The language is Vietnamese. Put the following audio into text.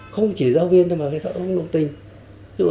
không chỉ giáo viên thôi mà